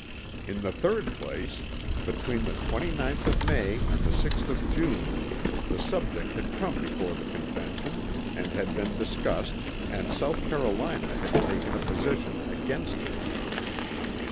In the third place between the 29th of May and the 6th of June the subject had come before the Convention and had been discussed and South Carolina had taken a position against it.